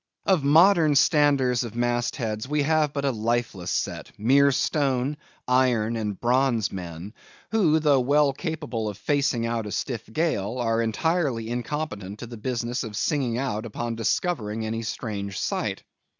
Of modern standers of mast heads we have but a lifeless set; mere stone, iron, and bronze men; who, though well capable of facing out a stiff gale, are still entirely incompetent to the business of singing out upon discovering any strange sight.